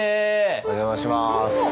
お邪魔します。